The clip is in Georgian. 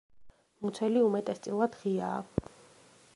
მუცელი უმეტესწილად ღიაა.